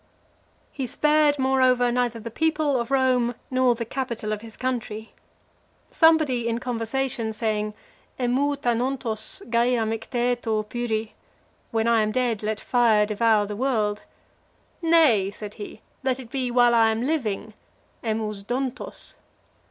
XXXVIII. He spared, moreover, neither the people of Rome, nor the capital of his country. Somebody in conversation saying Emou thanontos gaia michthaeto pyri When I am dead let fire devour the world "Nay," said he, "let it be while I am living" [emou xontos].